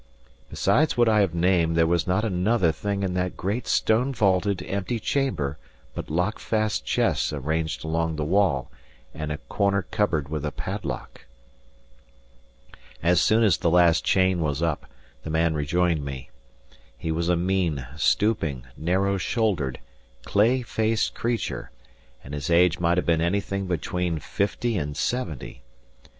Besides what I have named, there was not another thing in that great, stone vaulted, empty chamber but lockfast chests arranged along the wall and a corner cupboard with a padlock. As soon as the last chain was up, the man rejoined me. He was a mean, stooping, narrow shouldered, clay faced creature; and his age might have been anything between fifty and seventy.